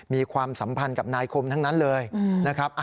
ความสัมพันธ์กับนายคมทั้งนั้นเลยนะครับ